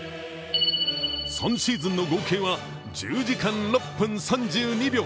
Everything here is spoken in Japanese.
３シーズンの合計は１０時間６分３２秒。